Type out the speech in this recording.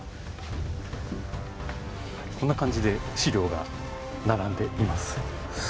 こんな感じで資料が並んでいます。